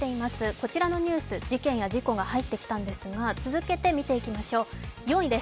こちらのニュース、事件や事故が入ってきたんですが、続けてみていきましょう４位です。